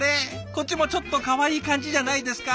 こっちもちょっとかわいい感じじゃないですか？